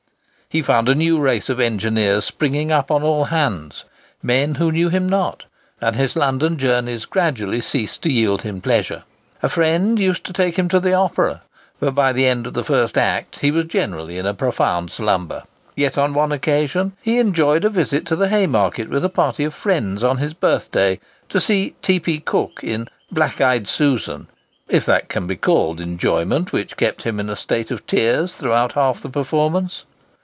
He found a new race of engineers springing up on all hands—men who knew him not; and his London journeys gradually ceased to yield him pleasure. A friend used to take him to the opera, but by the end of the first act, he was generally in a profound slumber. Yet on one occasion he enjoyed a visit to the Haymarket with a party of friends on his birthday, to see T. P. Cooke, in "Black eyed Susan;"—if that can be called enjoyment which kept him in a state of tears during half the performance.